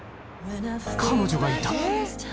彼女がいた！